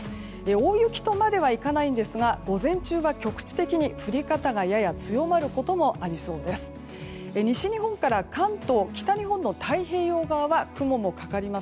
大雪とまではいかないんですが午前中は局地的に降り方がやや強まることもありそうです。